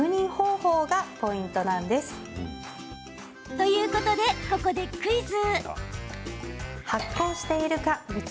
ということで、ここでクイズ。